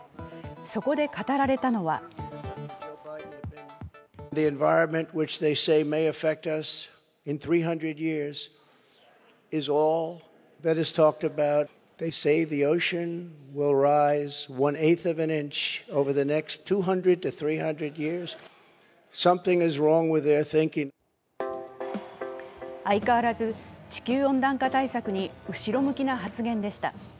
そこで語られたのは相変わらず地球温暖化対策に後ろ向きな発言でした。